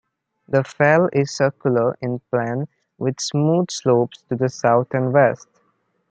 The fell is circular in plan with smooth slopes to the south and west.